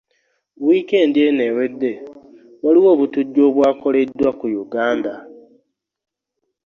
Wikendi eno ewedde waliwo obutujju obwakoledwa ku Uganda.